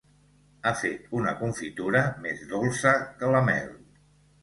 Ha fet una confitura més dolça que la mel!